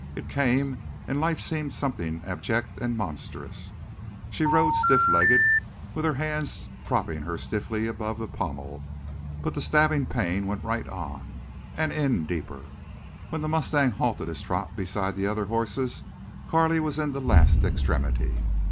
It came, and life seemed something abject and monstrous. She rode stiff legged, with her hands propping her stiffly above the pommel, but the stabbing pain went right on, and in deeper. When the mustang halted his trot beside the other horses Carley was in the last extremity.